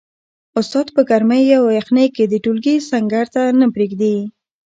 استاد په ګرمۍ او یخنۍ کي د ټولګي سنګر نه پریږدي.